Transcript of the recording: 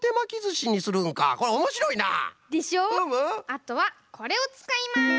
あとはこれをつかいます！